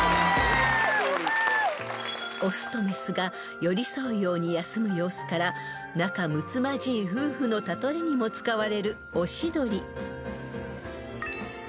［雄と雌が寄り添うように休む様子から仲むつまじい夫婦の例えにも使われる］